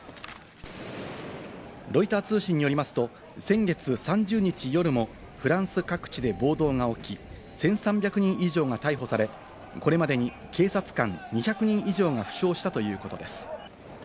ロイター通信によりますと、先月３０日夜もフランス各地で暴動が起き、１３００人以上が逮捕され、これまでに警察官２００人以上が負傷したということです。